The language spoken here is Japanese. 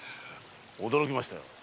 驚きました。